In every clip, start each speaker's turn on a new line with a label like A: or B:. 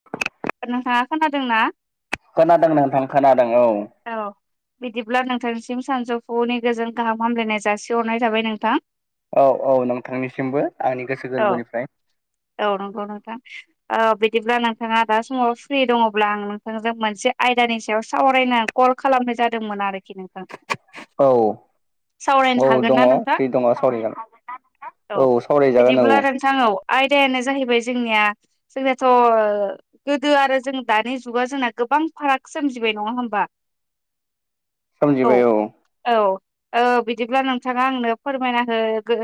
A: [inaudible]
B: नोंथाङा खोनादों ना?
A: खोनादों नोंथां खोनादों औ।
B: औ बिदिब्ला नोंथांनिसिम सानजौफुनि गोजोन गाहाम हामलायनाय जासिहरनाय थाबाय नोंथां।
A: औ - औ नोंथांनिसिमबो आंनि गोसो
B: औ
A: गोरबोनिफ्राय
B: औ नंगौ नोंथां। ओ बिदिब्ला नोंथाङा दा समाव फ्रि दङ'ब्ला आं नोंथांजों मोनसे आयदानि सायाव सावरायनो कल खालामनाय जादोंमोन आरोखि नोंथां।
A: औ।
B: सावरायनो
A: औ
B: हागोन ना
A: दङ'
B: नोंथां?
A: फ्रि दङ' सावरायगोन औ सावरायजागोन औ -
B: बिदिब्ला
A: औ।
B: औ आयदायानो जाहैबाय जोंनिया जोंनिथ' गोदो आरो जों दानि जुगा जोंना गोबां फाराग सोमजिबाय, नङा होमबा?
A: सोमजिबाय, औ।
B: औ ओ बिदिब्ला नोंथाङा आंनो फोरमायना होगो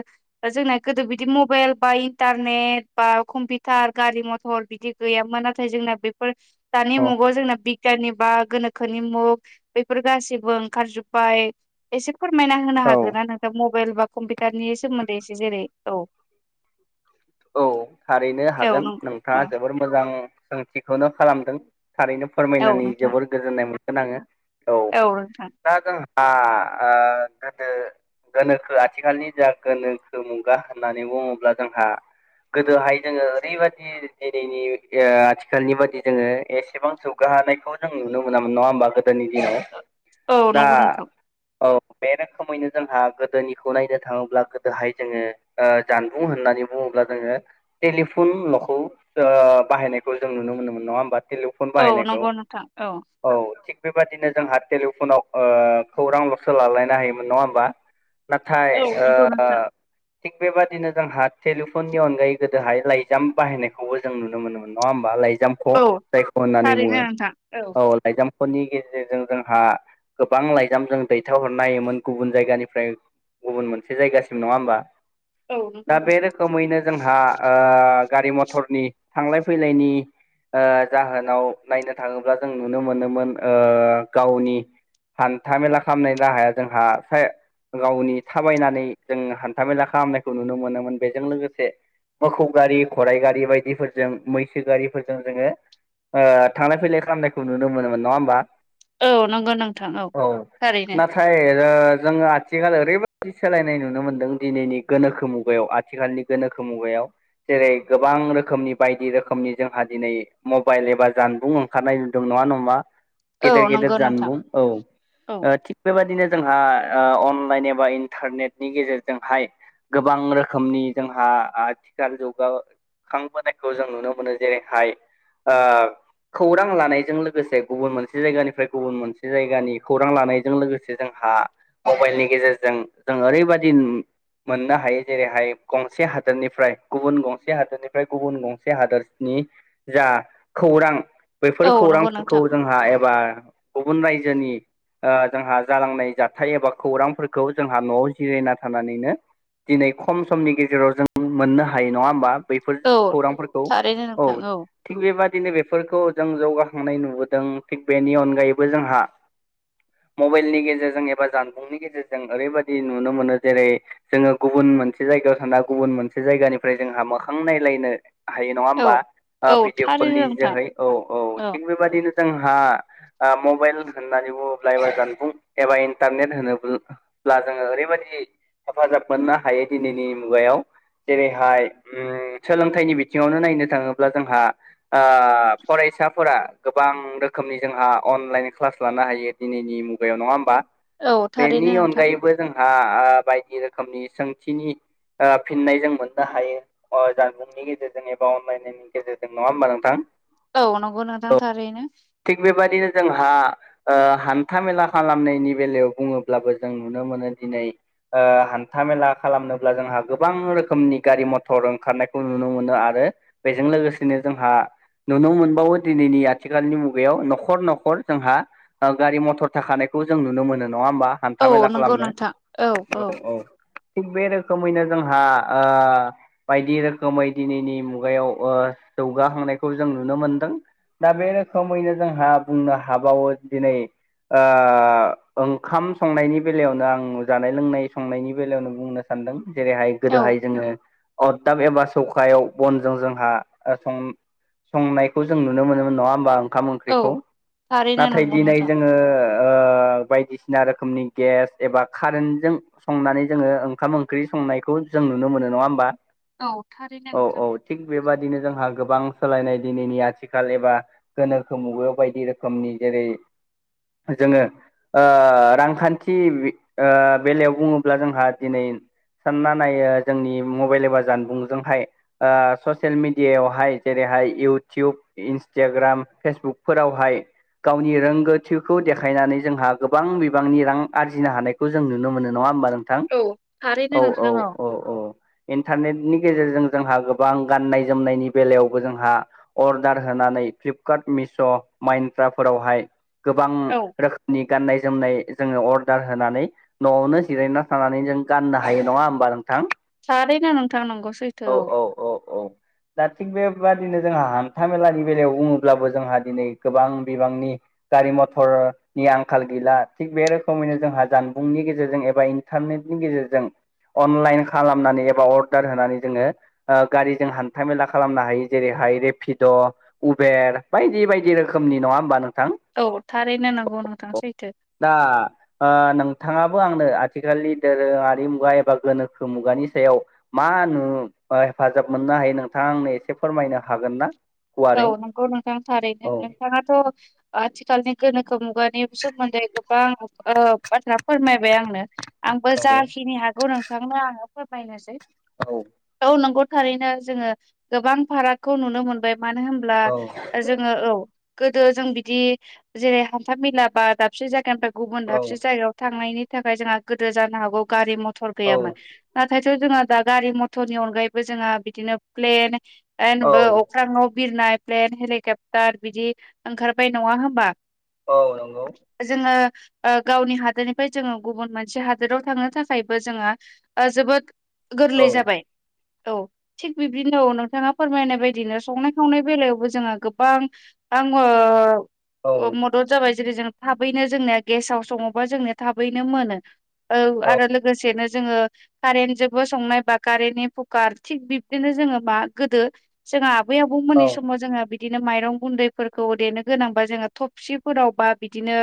B: जोंना गोदो बिदि मबाइल बा इन्टारनेट बा कम्पिउटार गारि मथर बिदि गैयामोन नाथाय जोंना बेफोर दानि
A: औ
B: मुगाव जोंना बिगियाननि बा गोनोखो नि मुग बेफोर गासिबो ओंखारजोबबाय एसे फोरमायना होनो
A: औ
B: हागोना नोंथां। दा मबाइल बा कम्पिउटारनि सोमोन्दै एसे जेरै औ
A: [inaudible] औ थारैनो
B: औ
A: हागोन नोंथाङा
B: नंगौ
A: जोबोर मोजां सोंथिखौनो खालामदों थारैनो
B: औ
A: फोरमायनानै
B: नोंथां
A: जोबोर गोजोननाय मोनगोन आङो औ दा जों
B: [inaudible]
A: आ आ गोदो गोनोखो आथिखालनि जा गोनोखो मुगा होननानै बुङोब्ला जोंहा गोदोहाय जोङो ओरैबादि दि दिनैनि इआ आथिखालनि बायदि जोङो एसेबां जौगाहानायखौ जों नुनो मोनामोन नङा होमबा गो दोनि दिनाव
B: औ
A: दा
B: नंगौ नोंथां
A: औ बे रोखोमैनो जोंहा गोदोनिखौ नायनो थाङोब्ला गोदोहाय जोङो ओ जानबुं होननानै बुङोब्ला जोङो टेलिफन ल'खौ ओ बाहायनायबो जों नुनो मोनो मोन नङा होमबा टेलिफन
B: औ
A: बाहायनायखौ
B: नंगौ नोंथां
A: औ थिग बेबादिनो जोंहा टेलिफनाव ओ खौरांल'सो लालायनो हायोमोन नङा होमबा
B: [inaudible]
A: नाथाय
B: औ
A: ओ
B: नंगौ नोंथां
A: थिग बेबादिनो जोंहा टेल फननि अनगायै गोदोहाय लाइजाम बाहायनायखौबो जों नुनो मोनोमोन नङा होमबा लाइजाम अ
B: औ
A: जायखौ होननानै
B: थारैनो
A: बुङो
B: नोंथां
A: औ लाइजाम फोरनि गेजेरजों जोंहा गोबां लाइजाम जों दैथ हरनो होयोमोन गुबुन जायगानिफ्राय गुबुन मोनसे जायगासिम नङा होमबा
B: औ नंगौ
A: दा बे
B: नोंथां
A: रोखोमैनो जोंहा ओ गारि मथरनि थांलाय फैलायनि ओ जाहोनाव नायनो थाङोब्ला जों नुनो मोनोमोन ओ गावनि हान्था मेला खालामनायनि राहाया जोंहा गावनि थाबायनानै जों हान्थाामेला खालामनायखौ नुनो मोनोमोन बेजों लोगोसे मोखौ गारि खराइ गारि बायदिफोरजों मैसो गारिफोरजों जोङो ओ थांलाय फैलाय खालामनायखौ नुनो मोनोमोन नङा होमबा
B: औ नंगौ नोंथां औ थारैनो
A: फाय ओ जोङो आथिखाल ओरैबायदि सोलायनाय नुनो मोनदों दिनैनि गोनोखो मुगायाव आथि आथिखालनि गोनोखो मुगायाव जेरै गोबां रोखोमनि बायदि रोखोमनि जोंहा दिनै मबाइल एबा जानबुं खारनाय द नङा नमा
B: [inaudible]
A: गेदेर गेदेर
B: नंगौ नोंथां
A: जानबुं औ थि बेबायदिनो जोंहा ओ अनलाइन एबा इन्टारनेटनि गेजेरजोंहाय गोबां रोखोम रोखोमनि जोंहा आथिखाल जौगाखांबोनायखौ जों नुनो मोनो जेरैहाय आ खौरां लानायजों लोगोसे गुबुन मोनसे जायगानिफ्राय गुबुन मोनसे जायगानि खौरां लानायजों लो जोंहा मबाइलनि गेजेरजों जों ओरैबादि मोननो हायो जेरैहाय गंसे हादोरनिफ्राय गुबुन गंसे हादोरनिफ्राय गुबुन गंसे हादोरनि जा खौरां बैफोर
B: औ नंगौ
A: खौरांफोरखौ
B: नोंथां
A: जों हा एबा गुबुन रायजोनि ओ जोंहा जालांनाय जाथाय एबा खौरांफोरखौ जोंहा न'आव जिरायना थानानैनो दिनै खम समनि गेजेराव जों मोन्नो हायो नङा होमबा बैफोर
B: औ
A: खौरांफोरखौ
B: थारैनो
A: औ
B: नोंथां औ
A: थिग बेबादिनो बेफोरखौ जों जौगाखांनाय नुबोदों थिग बेनि अनगायैबो जोंहा मबाइलनि गेजेरजों एबा जानबुंनि गेजेरजों ओरैबायदि नुनो मोनो जेरै जोङो गुबुन मोनसे जायगायाव थाना गुबुन मोनसे जायगानिफ्राय जोंहा मोखां नायलायनो हायो नङा
B: औ
A: होमबा? ओ
B: औ
A: भिडिअ' कलनि
B: थारैनो नोंथां
A: जोहै औ औ थिग बेबदिनो जोंहा ओ मबाइल होननानै बुङोब्लाबो एबा जानबुं एबा एनथारनेत होनो ब्ला जोङो ओरैबायदि हेफाजाब मोननो हायो दिनैनि मुगायाव। जेरैहाय ओ सोलोंथाइनि बिथिङावनो नायनो थाङोब्ला जोंहा ओ फरायसाफोरा गोबां रोखोमनि जोंहा अनलाइन क्लास लानो हायो दिनैनि मुगायाव नङा होमबा?
B: औ
A: बेनि
B: थारैनो नोंथां
A: अनगायैबो जोंहा ओ बायदि रोखोमनि सोंथिनि ओ फिननाय जों मोननो हायो। अ जानबुंनि गेजेरजों एबा अनलाइननि गेजेरजों नङा होमबा नोंथां।
B: औ नंगौ नोंथां थारैनो।
A: थिग बेबायदिनो जोंहा ओ हान्था मेला खालामनायनि बेलायाव बुङोब्लाबो जों नुनो मोनो दिनै ओ हान था मेला खालामनोब्ला जोंहा गोबां रोखोमनि गारि-मथर ओंखारनायखौ नुनो मोनो आरो बेजों लोगोसेनो जोंहा नुनो मोनबावो दिनैनि आथिखालनि मुगायाव न'खर न'खर जोंहा ओ गारि-मथर थाखानायखौ जों नुनो मोनो नङा होबा
B: औ
A: हान्था-मेला
B: नंगौ
A: खालामनो।
B: नोंथां औ
A: औ औ थिग बे रोखोमैनो जोंहा ओ बायदि रोखोमै दिनैनि मुगायाव ओ जौगाहांनायखौ जों नुनो मोनदों। दा बे रोखोमैनो जोंहा बुंनो हाबावो दिनै ओ ओंखाम संनायनि बेलायावनो आं जानाय-लोंनाय संनायनि बेलायावनो बुंनो सानदों जेरैहाय
B: औ
A: गोदोहाय जोङो अरदाब एबा सौखायाव बनजों जोंहा ओ सं संनायखौ जों नुनो मोनोमोन नङा होमबा ओंखाम
B: औ
A: ओंख्रिखौ
B: थारैनो
A: नाथाय
B: नंगौ
A: दिनै
B: नोंथां
A: जो ङो ओ बादिसिना रोखोमनि गेस एबा कारेन्ट जों संनानै जोङो ओंखाम ओंख्रि संनायखौ जों नुनो मोनो नङा होमबा।
B: औ थारैनो
A: औ
B: नंगौ।
A: औ थिग बेबादिनो जोंहा गोबां सोलायनाय दिनैनि आथिखाल एबा गोनोखो मुगायाव बायदि रोखोमनि जेरै जोङो ओ रांखान्थि ओ बेलायाव बुङो ब्ला जोंहा दिनै सानना नायो जोंनि मबाइल एबा जानबुंजोंहाय ओ ससियेल मिडियायावहाय जेरैहाय इउटुब इन्सटाग्राम फेसबुकफोरावहाय गावनि रोंगौथिखौ देखायनानै जोंहा गोबां बिबांनि रां आरजिनो हानायखौ जों नुनो मोनो नङा होमबा नों नोंथां
B: औ थारैनो
A: औ औ
B: नोंथां
A: औ औ इन्टारनेटनि गेजेरजों जोंहा गोबां गाननाय जोमनायनि बेलायावबो जोंहा अर्डार होनानै फ्लिपकार्ट मिश' माइन्त्रा फोरावहाय गोबां
B: औ
A: रोखोमनि गाननाय-जोमनाय जोङो अर्डार होनानै न'आवनो जिरायना थानानै जों गाननो हायो नङा होमबा नोंथां।
B: थारैनो नोंथां नंगौ सैथो
A: औ औ औ औ दा थिग बेबादिनो जोंहा हान्था-मेलानि बेलायाव बुङोब्लाबो जोंहा दिनै बिबांनि गारि-मथरनि आंखाल गैला थिग बे रोखोमैनो जोंहा जानबुंनि गेजेरजों एबा इ इन्टारनेटनि गेजेरजों अनलाइन खालामनानै एबा अर्डार होननानै जोङो ओ गारिजों हान्था मेला खालामनो हायो जेरैहाय रेपिड' उबेर बायदि बायदि रोखोमनि नङा होमबा नोंथां?
B: औ थारैनो नोंगौ नोंथां सैथो।
A: दा ओ नोंथाङाबो आंनो आ आथिखालनि दोरोङारि मुगा एबा गोनोखो मुगानि सायाव मा नु हेफाजाब मोननो हायो नोंथाङा आंनो एसे फोरमायनो हागोन ना?
B: औ
A: गुवारै
B: नंगौ नोंथां थारैनो
A: औ
B: नोंथाङाथ' आथिखालनि गोनोखो मुगानि सोमोन्दै गोबां ओ बाथ्रा फोरमायबाय आंनो। आंबो
A: औ
B: जाखिनि हागौ नोंथांनो आङो फोरमायनोसै।
A: औ
B: औ नंगौ थारैनो जोङो गोबां फारागखौ नुनो मोनबाय मानो होनबा
A: औ
B: होनब्ला जोङो औ गोदो जों बिदि जेरै हान्था मेला बा दाबसे जायगानिफ्राय गुबुन
A: औ
B: दाबसे जायगायाव थांनायनि थाखाय जोंहा गोदो जानो हागौ गारि मथर
A: औ
B: गैयामोन। नाथायथ' जोंहा दा गारि मथरनि अनगायैबो जोंहा बिदिनो प्लेन एनबो [unintelligible] अख्राङाव बिरनाय प्लेन हेलिकप्टार बिदि ओंखारबाय नङा होमबा?
A: औ नंगौ।
B: जोङो ओ गावनि हादोरनिफ्राय जोङो गुबुन मोनसे हादोराव थांनो थाखायबो जोङो ओ जोबोद गोरलै
A: औ
B: जाबाय औ थिग बिब्दिनो औ नोंथाङा फोरमायनाय बायदिनो संनाय खाव सनाय बेलायावबो जोङो गोबां [unintelligible] ओ
A: औ
B: ओ मट मदद जाबाय जेरै जों थाबैनो जोंनिया गेसाव सङोबा जोंनिया थाबैनो मोनो। औ आरो लोगोसेनो जोङो। कारेन्ट जोबो संनाय बा कारेन्टनि फुकार थिग बिब्दिनो जोङो मा गोदो जोंहा आबै आबौ बौ
A: औ
B: मोननि समाव जोंहा बिदि बिदिनो माइरं गुन्दैफोरखौ देनो गोनांबा जोङो थफसिफोरावबा बिदिनो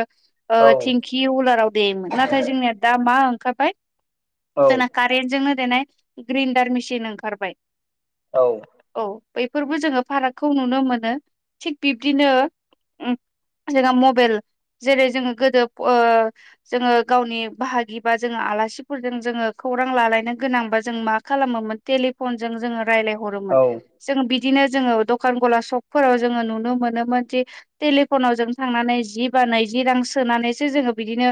A: औ
B: थिंखि कि उलाराव देमोन नाथाय जोंनिया दा मा ओंखारबाय जोंना कारेन्टजोंनो देनाय ग्रिन्डार मिसिन ओंखारबाय।
A: औ
B: औ बैफोरबो जोङो फारागखौ नुनो मोनो थिग बिब्दिनो उम जोंहा मबेइल जेरै जोङो गोदो ओ जोङो गावनि बाहागि बा जोङो आलासिफोरजों जोङो खौरां लालायनो गोनांबा जों मा खालामोमोन? टेलिफन जों जोङो रायज्लायहरोमोन जों बिदिनो जोङो दखान गला सकफोराव जोङो नुनो मोनोमोन दि टेलिफनाव जों थांनानै जि बा नैजि रां जोङो सोनानैसो जों बिदिनो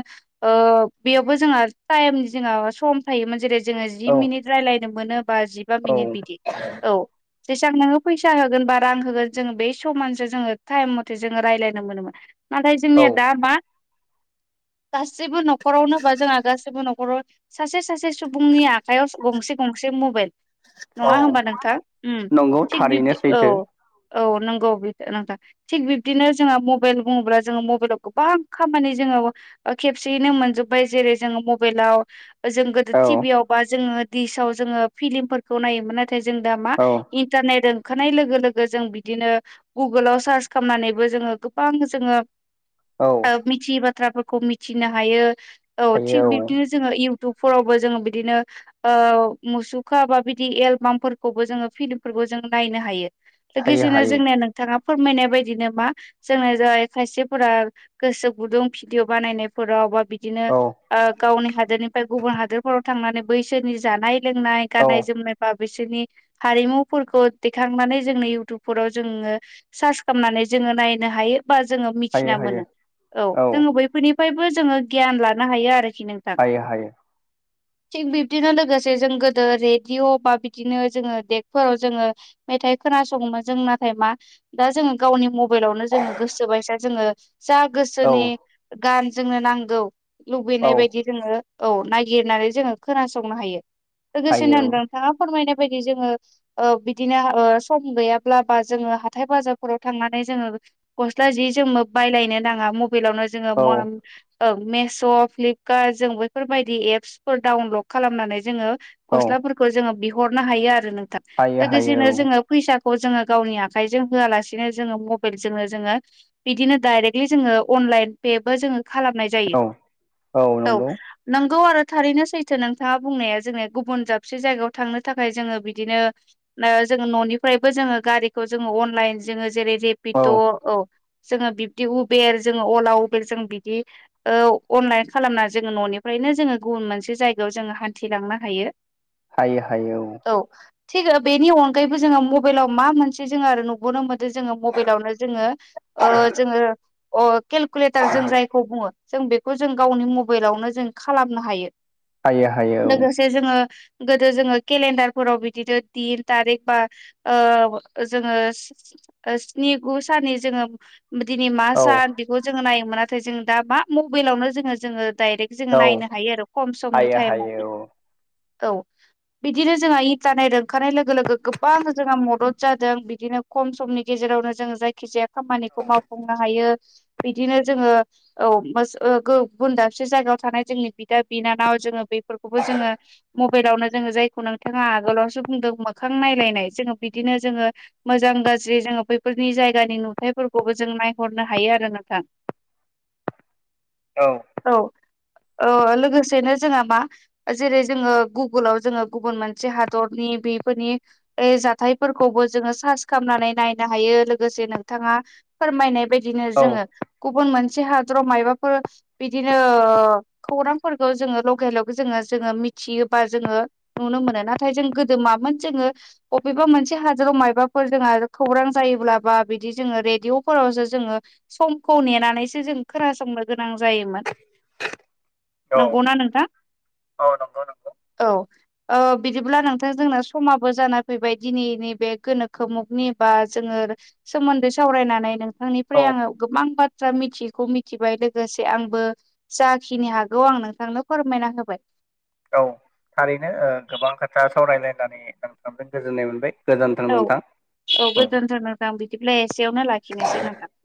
B: ओ बेयावबो जोंहा टाइमनि जोंहा सम थायोमोन जेरै जोङो जि
A: औ
B: मिनिट रायलायनो मोनो बा जिबा
A: औ
B: मिनिट बिदि औ जेसा नोङो फैसा होगोन बा रां होगोन जोङो बे समानजों जोङो टाइम मथे जोङो रायलायनो मोनोमोन। नाथाय
A: औ
B: जोंनिया दा मा गासैबो न'खर न'खरावनो बा जोंहा गासैबो न'खराव सासे सासे सुबुंनि आखायाव गंसे गंसे मबेइल
A: औ
B: नङा होमबा नोंथां उम।
A: नंगौ
B: थिग
A: थारैनो
B: बिब्दि औ
A: सैथो
B: औ नंगौ बे नोंथां। थिग बिब्दिनो जोङा मबेइल बुङोब्ला जोङो मबेइलाव गोबां खामानि जोङो ओ खेबसेयैनो मोनजोब्बाय जेरै जोङो मबेइलाव जों गोदो
A: औ
B: टि भियाव बा जोङो देसाव जोङो फिलिमफोरखौ नायोमोन नाथाय जों दा मा
A: औ
B: इन्टारनेट ओंखारनाय लोगो लोगो जों बिदिनो गुगोलाव सार्च खालामनानैबो जोङो गोबां जोङो
A: औ
B: ओ मिथियै बाथ्रा फोरखौ मिथिनो हायो औ थिग
A: हायो औ
B: बिब्दिनो जोङो इउटुबफोरावबो जोङो बिदिनो औ मुसुखा बा बिदि एलबामफोरखौबो जोङो फि फोरखौ जों नायनो हायो
A: हायो
B: लोगोसेनो
A: हायो
B: जोंनिया नोंथाङा फोरमायनाय बायदिनो मा जोंनो जाय खायसेफोरा गोसो गुदुं भिडिअ बानायनायफोराव बा बि बिदिनो
A: औ
B: गावनि हादोरनिफ्राय गुबुन हादोरफोराव थांनानै बैसोरनि जानाय लोंनाय
A: औ
B: गाननाय जोमनाय बा बिसोरनि हारिमु फुलखौ देखांनानै जोंनो इउटुब फोराव जोङो सार्च खालामनानै जोङो नायनो हायो बा जोङो
A: हायो
B: मिथिना
A: हायो
B: मोनो औ जोङो बैफोरनिफ्रायबो जोङो गियान लानो हायो आरोखि नों
A: हायो हायो
B: थिग बिब्दिनो लोगोसे जों गोदो रेडिअ' बा बिदिनो जोङो देग फोराव जोङो मेथाइ खोनासङोमोन जों नाथाय मा दा जोङो गावनि मबाइलावनो जोङो गोसोबायसा जोङो जा गोसोनि
A: औ
B: गान जोंनो नांगौ
A: औ
B: लुबैनाय बायदि जोङो औ नायागिरनानै जोङो खोनासंनो हायो लोगोसेनो
A: हायो
B: नोंथाङा फोरमायनाय बायदि जोङो औ बिदिनो सम गैयाब्ला बा जोङो हाथाय बाजारफोराव थांनानै जोङो गस्ला जि जों बायलायनो नाङा मबाइलावनो जोङो
A: औ
B: मुवा ओं मेश' फ्लिपकार्ट जों बैफोरबायदि एप्सफोर डाउनलड खालामनानै जोङो
A: औ
B: गस्लाफोरखौ जोङो बिहरनो हायो आरो नोंथां
A: हायो हायो
B: लोगोसेनो जोङो फैसाखौ जोङो गावनि आखाइजों होआलासिनो जोङो मबाइलजोंनो जोङो बिदिनो डायरेक्टलि जोङो अनलाइन फेबो जोङो खालामनाय
A: औ औ
B: जायो
A: नंगौ
B: औ नोंगौ आरो थारैनो सैथो नोंथाङा बुंनाया जोंनिया गुबुन जाबसे जायगायाव थाखाय जोङो बिदिनो ओ जोङो न'निफ्रायबो जोङो गारिखौ जोङो अनलाइन जोङो जेरै रेपिद' औ जोङो बिब्दि उबेर जोङो अला उबेर जों बिदि औ अनलाइन खालामना जोङो न'निफ्रायनो जोङो गुबुन मोनसे जायगायाव जोङो हान्थिलांनो हायो [inaudible]
A: हायो हायो औ
B: औ थिग बेनि अनगायैबो जोङो मबाइलाव मा मोनसे जोङो आरो नुबोननो मोन जोङो मबाइलावनो जोङो जोङो अ केलकुलेटार जों जायखौ बुङो जों बेखौ जों गावनि मबाइलावनो जों खालामनो हायो
A: हायो हायो औ
B: जे जोङो गोदो जोङो केलेणडारफोराव बि बिदिनो दिन थारिख बा ओ जोङो स्नि गु साननि जोङो दिनै मा
A: औ
B: सान बेखौ जोङो नायोमोन नाथाय जों दा मा मबाइलावनो जोङो जोङो डाइरेक्ट जोङो
A: औ
B: नायनो हायो आरो खम समनि
A: हायो हायो
B: थाइमावनो मावनो औ बिदिनो जोंङो जानाय रोंखारनाय लोगो गोबां जोंहा मदद जादों बिदिनो खम समनि गेजेरावनो जोङो जायखिजाया खामानिखौ मावफुंनो हायो बिदिनो जोङो औ [unintelligible] गुनदाबसे जायगायाव थानाय जोंनि बिदा बिनानाव जोङो बेफोरखौबो जोङो मबाइलावनो जोङो जायखौ नोंथाङा आगोलावसो बुंदों मोखां नायलायनाय जोङो बिदिनो जोङो मोजां गाज्रि जोङो बैफोरनि जायगानि नुथायफोरखौबो जों नायहरनो हायो आरो नोंथां। [inaudible]
A: औ
B: औ लोगोसेनो जोंहा मा जेरै जोङो गुगोलाव जोङो गुबुन मोनसे ह दरनि बेफोरनि जाथायफोरखौबो जोङो सार्च खालामनानै नायनो हायो लोगोसे नोंथाङा फोरमायनाय बायदिनो
A: औ
B: जोङो गुबुन मोनसे हादराव मायबाफोर बिदिनो खौरांफोरखौ जोङो लकेलाव जोङो जोङो मिथियोबा जोङो नुनो मोना। नाथाय जों गोदो मामोन जोङो- बबेबा मोनसे हादराव मायोबाफोर जोङो खौरां जायोब्ला बा बिदि जोङो रेडिअ'फोरावसो जोङो- समखौ नेनानैसो जों खोनासंनो गोनां जायोमोन।
A: औ
B: नोंगौना नोंथां?
A: औ नंगौ नंगौ
B: औ ओ- बिदिब्ला नोंथां जोंना समाबो जाना फैबाय दिनैनि बे गोनोखो मुगानि बा जोङो सोमोन्दै सावरायनानै नोंथांनिफ्राय
A: औ
B: आङो गोबां बाथ थ्रा मिथियैखौ मिथिबाय लोगोसे आंबो जाखिनि हागौ आं नोंथांनो फोरमायना होबाय।
A: औ थारैनो ओ गोबां खोथा सावरायलायनानै आं खालामदों गोजोननाय मोनबाय। गोजोन्थों
B: औ
A: नोंथां।
B: औ गोजोन्थों नोंथां बिदिब्ला एसेयावनो लाखिनोसै नोंथां?